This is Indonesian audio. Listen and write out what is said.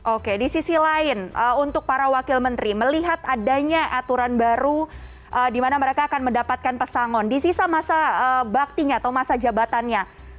oke di sisi lain untuk para wakil menteri melihat adanya aturan baru di mana mereka akan mendapatkan pesangon di sisa masa baktinya atau masa jabatannya